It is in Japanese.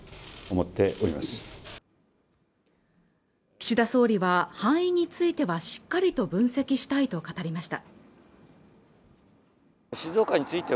岸田総理は敗因についてはしっかりと分析したいと語りました